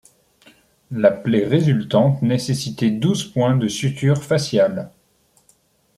La plaie résultante nécessitait douze points de suture faciale.